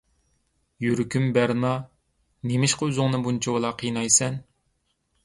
يۈرىكىم بەرنا، نېمىشقا ئۆزۈڭنى بۇنچىۋالا قىينايسەن؟